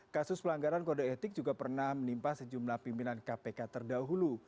kasus pelanggaran kode etik juga pernah menimpa sejumlah pimpinan kpk terdahulu